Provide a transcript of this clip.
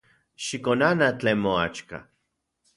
Xikonana tlen moaxka.